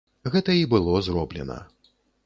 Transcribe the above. Гэта і было зроблена.